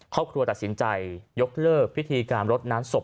ครอบครัวตัดสินใจยกเลิกพิธีการรดน้ำศพ